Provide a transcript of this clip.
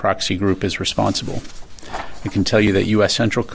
kami tahu bahwa milisi yang telah menyerang